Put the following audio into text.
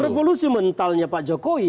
revolusi mentalnya pak jokowi